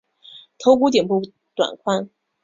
头骨顶部短宽。